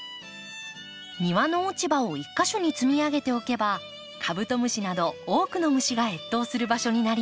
庭の落ち葉を１か所に積み上げておけばカブトムシなど多くの虫が越冬する場所になります。